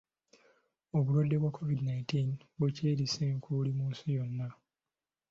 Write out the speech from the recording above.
Obulwadde bwa COVID nineteen bukyeriisa enkuuli mu nsi yonna.